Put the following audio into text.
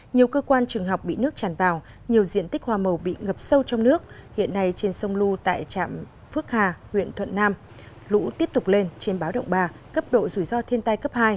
nhiều cơ quan trường học bị nước tràn vào nhiều diện tích hoa màu bị ngập sâu trong nước hiện nay trên sông lu tại trạm phước hà huyện thuận nam lũ tiếp tục lên trên báo động ba cấp độ rủi ro thiên tai cấp hai